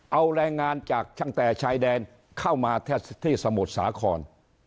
เอาแรงงานจากตั้งแต่ชายแดนเข้ามาที่สมุทรสาคร